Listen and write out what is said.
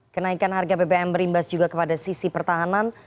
kenaikan harga bbm berimbas juga kepada sisi pertahanan